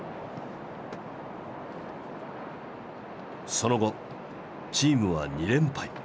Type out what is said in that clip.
その後チームは２連敗。